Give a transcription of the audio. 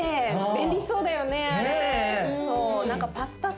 便利そうだよねあれ。